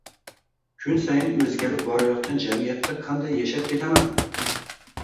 Kun sayin oʻzgarib borayotgan jamiyatda qanday yashab ketaman?